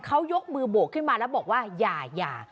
เขายกมือโบกขึ้นมาแล้วบอกว่าอย่า